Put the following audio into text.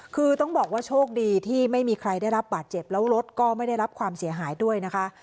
คือต้องบอกว่าโชคดีที่ไม่มีใครได้รับบาดเจ็บแล้วรถก็ไม่ได้รับความเสียหายด้วยนะคะ